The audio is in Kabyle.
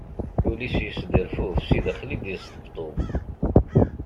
Ul-is yesderduf si sdaxel i d-yesṭebṭub.